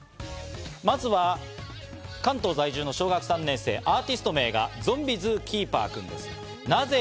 まずは関東在住の小学３年生、アーティスト名がゾンビ・ズー・キーパー君です。